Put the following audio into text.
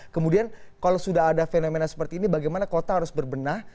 kemudian kalau sudah ada fenomena seperti ini bagaimana kota harus berbenah